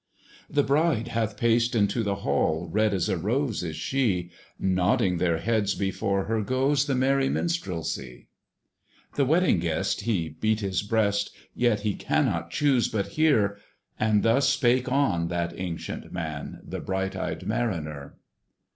The bride hath paced into the hall, Red as a rose is she; Nodding their heads before her goes The merry minstrelsy. The Wedding Guest he beat his breast, Yet he cannot chuse but hear; And thus spake on that ancient man, The bright eyed Mariner.